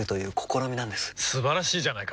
素晴らしいじゃないか！